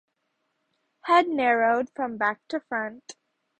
Head narrowed from back to front.